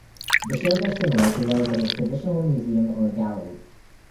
The shows are similar to those at a traditional museum or gallery.